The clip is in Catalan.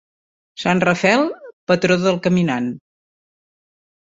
Sant Rafael, patró del caminant.